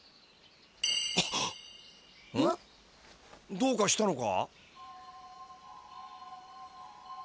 どうかしたのか？